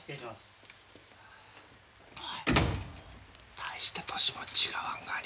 大して年も違わんがに